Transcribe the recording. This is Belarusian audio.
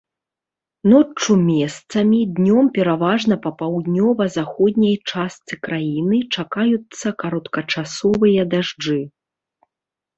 Ноччу месцамі, днём пераважна па паўднёва-заходняй частцы краіны чакаюцца кароткачасовыя дажджы.